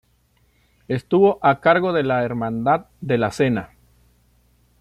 Estuvo a cargo de la Hermandad de la Cena.